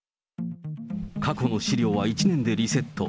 過去の資料は１年でリセット。